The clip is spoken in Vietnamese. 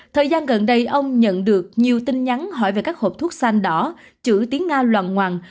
thời gian gần đây ông nhận được nhiều tin nhắn hỏi về các hộp thuốc xanh đỏ chữ tiếng nga loàn hoàng